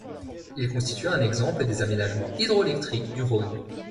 Il constitue un exemple des aménagements hydro-électriques du Rhône.